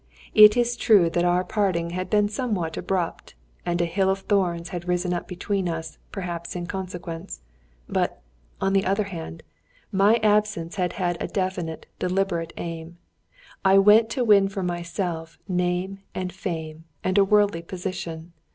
It is true that our parting had been somewhat abrupt, and a hill of thorns had risen up between us perhaps in consequence; but, on the other hand, my absence had had a definite, deliberate aim I went to win for myself name and fame, and a worldly position.